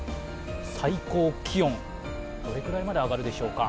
最高気温、どれくらいまで上がるでしょうか？